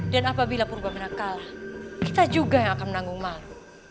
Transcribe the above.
dan apabila purba menak kalah kita juga yang akan menanggung malu